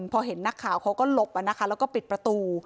พอเห็นนักข่าวเขาก็หลบแล้วก็ปิดประตู